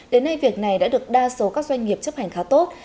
đến nay việc này đã được đa số các doanh nghiệp chấp hành khá tốt